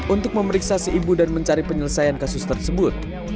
untuk memeriksasi ibu dan mencari penyelesaian kasus tersebut